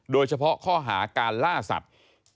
โดยเฉพาะข้อหาการล่าสัตว์